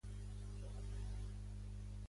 Aquesta filiació la dóna Diodor de Sicília.